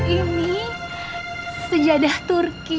ini sejadah turki